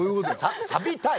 ササビたい？